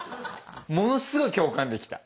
ものすごい共感できた。